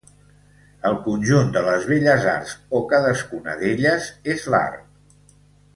El conjunt de les Belles Arts o cadascuna d'elles és l'Art.